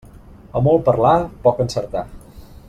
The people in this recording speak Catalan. A molt parlar, poc encertar.